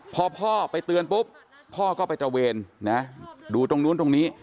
พอพ่อไปเตือนปุ๊บพ่อก็ไปตระเวนนะดูตรงนู้นตรงนี้